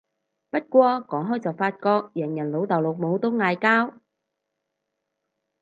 不過講開就發覺人人老豆老母都嗌交